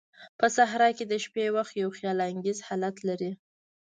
په صحراء کې د شپې وخت یو خیال انگیز حالت لري.